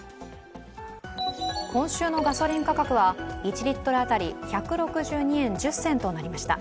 今週のガソリン価格は１リットル当たり１６２円１０銭となりました。